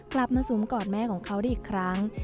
มาสวมกอดแม่ของเขาได้อีกครั้ง